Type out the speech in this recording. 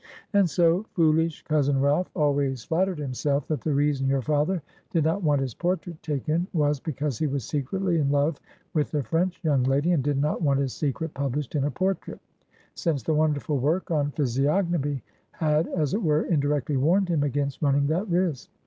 And so, foolish cousin Ralph always flattered himself, that the reason your father did not want his portrait taken was, because he was secretly in love with the French young lady, and did not want his secret published in a portrait; since the wonderful work on Physiognomy had, as it were, indirectly warned him against running that risk.